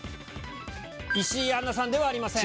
石井杏奈さんではありません。